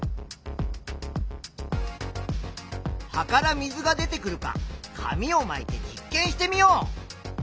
葉から水が出てくるか紙をまいて実験してみよう。